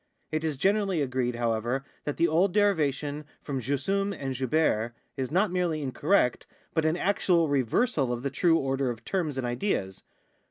It is generally agreed, however, that the old derivation from jussuin and juhere is not merel}^ incorrect, but an actual reversal of the tnie order of terms and ideas.